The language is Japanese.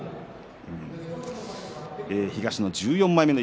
東の１４枚目の一